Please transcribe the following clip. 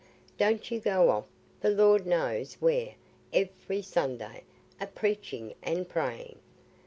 Don't you go off, the Lord knows where, every Sunday a preaching and praying?